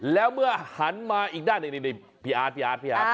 แล้วเมื่อหันมาอีกด้านนิดพี่อาร์ด